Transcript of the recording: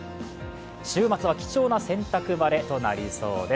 週末は貴重な洗濯晴れとなりそうです。